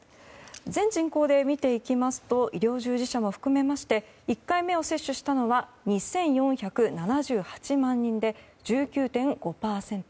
全人口で見ていきますと医療従事者も含めまして１回目を接種したのは２４７８万人で１９．５％。